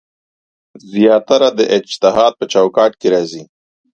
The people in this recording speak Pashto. زیاتره د اجتهاد په چوکاټ کې راځي.